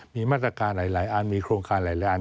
มีมาตรการหลายอันมีโครงการหลายอัน